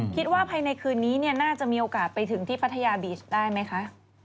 คิดว่าภายในคืนนี้น่าจะมีโอกาสไปถึงที่พัทยาบีชได้ไหมคะ